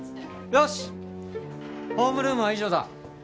よよしっホームルームは以上だ